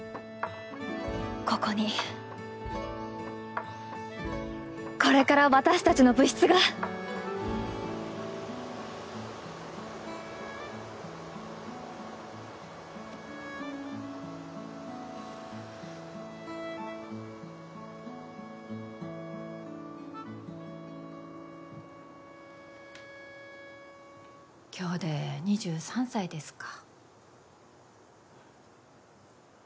ここにこれから私たちの部室が今日で２３歳ですか。